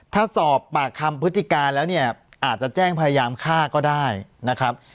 ถ้าสอบปากคำพฤติการแล้วเนี่ยอาจจะแจ้งพยายามฆ่าก็ได้นะครับ